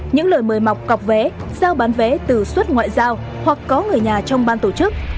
những lời mời mọc cọc vé giao bán vé từ suất ngoại giao hoặc có người nhà trong ban tổ chức